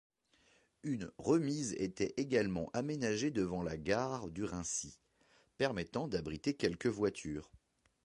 Une remise était également aménagée devant la gare du Raincy, permettant d'abriter quelques voitures.